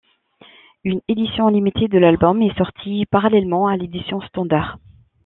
Une édition limitée de l'album est sortie parallèlement à l'édition standard.